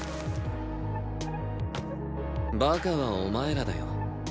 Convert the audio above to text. バカはお前らだよ。